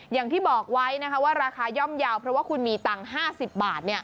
อย่างที่บอกไว้นะคะว่าราคาย่อมเยาว์เพราะว่าคุณมีตังค์๕๐บาท